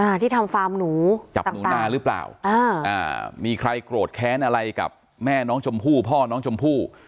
ที่ทำฟาร์มหนูจับหนูนาหรือเปล่าอ่าอ่ามีใครโกรธแค้นอะไรกับแม่น้องชมพู่พ่อน้องชมพู่